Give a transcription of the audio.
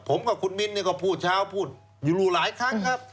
ผมกับคุณมิ้นก็พูดเช้าพูดอยู่หลายครั้งครับ